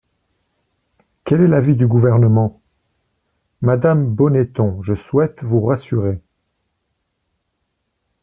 Quel est l’avis du Gouvernement ? Madame Bonneton, je souhaite vous rassurer.